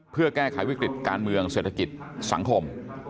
เพื่อแก้ไขวิกฤติการเมืองเศรษฐกิจสังคม